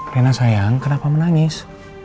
rena sayang kenapa menangis